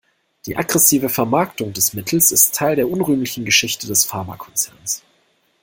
Die aggressive Vermarktung des Mittels ist Teil der unrühmlichen Geschichte des Pharmakonzerns.